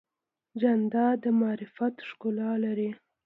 جانداد د معرفت ښکلا لري.